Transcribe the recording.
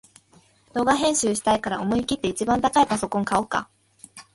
動画編集したいから思いきって一番高いパソコン買おうか